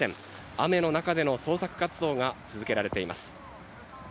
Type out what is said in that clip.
雨の中での捜査活動が続けられています。